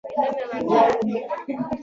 که پانګه ګډه وه لویه برخه یې مېشت کس ورکوله.